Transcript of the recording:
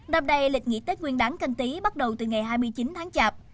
năm nay lịch nghỉ tết nguyên đáng canh tí bắt đầu từ ngày hai mươi chín tháng chạp